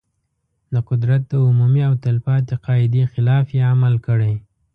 د قدرت د عمومي او تل پاتې قاعدې خلاف یې عمل کړی.